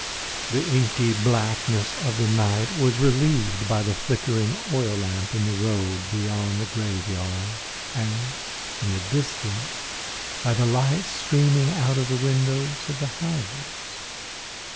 The inky blackness of the night was relieved by the flickering oil lamp in the road beyond the graveyard and, in the distance, by the lights streaming out at the windows of the houses.